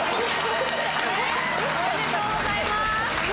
おめでとうございます！